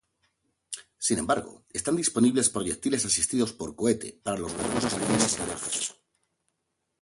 Sin embargo, están disponibles proyectiles asistidos por cohete para los modernos cañones sin retroceso.